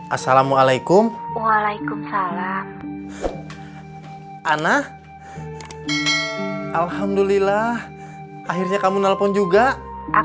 assalamualaikum waalaikumsalam anak alhamdulillah akhirnya kamu nelfon juga akan lihat gelang